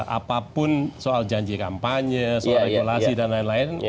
apapun soal janji kampanye soal regulasi dan lain lain